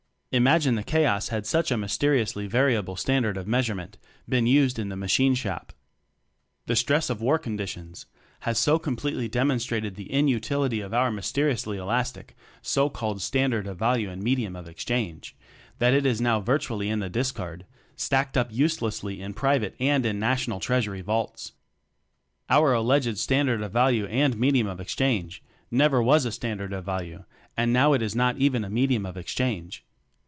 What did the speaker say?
Imagine the chaos, had such a mys teriously variable standard of mea surement been used in the machine shop! The stress of War conditions has so completely demonstrated the in utility of our mysteriously elastic so called "standard of value and medium of exchange" that it is now virtually in the discard, stacked up uselessly in private and in national treasury vaults. Our alleged "standard of value and medium of exchange" never was a standard of value, and now it is not even a medium of exchange.